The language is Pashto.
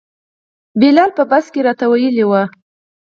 بلال په بس کې راته ویلي وو.